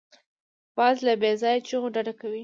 باز له بېځایه چیغو ډډه کوي